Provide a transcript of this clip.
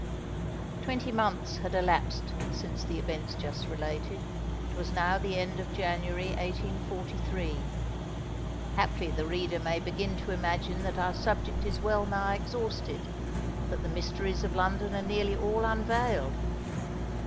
Twenty months had elapsed since the events just related. It was now the end of January, 1843. Haply the reader may begin to imagine that our subject is well nigh exhausted—that the mysteries of London are nearly all unveiled?